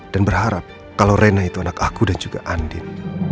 dan berharap kalau reina itu anak aku dan juga andin